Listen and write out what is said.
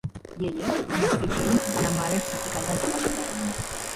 Yeye, kama Sydney, ana maarifa katika nyanja mbalimbali.